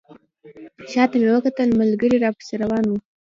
شاته مې وکتل ملګري راپسې روان وو.